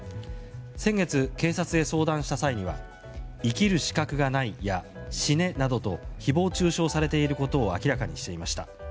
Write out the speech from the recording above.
先月、警察へ相談した際には「生きる資格がない」や「死ね」などと誹謗中傷されていることを明らかにしていました。